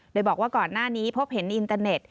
โดยบอกว่าก่อนหน้านี้พบเห็นอินเตอร์เน็ต